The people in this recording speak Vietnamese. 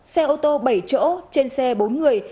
xe ô tô bảy chỗ trên xe bốn người